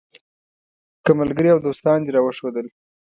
که ملګري او دوستان دې راوښودل.